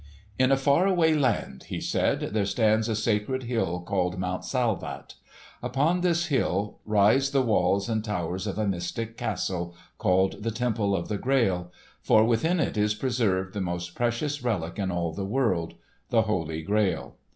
"In a far away land," he said, "there stands a sacred hill called Mount Salvat. Upon this hill rise the walls and towers of a mystic castle, called the Temple of the Grail, for within it is preserved the most precious relic in all the world—the Holy Grail.